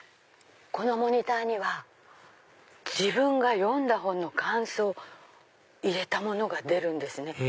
このモニターには自分が読んだ本の感想を入れたものが出るんですね。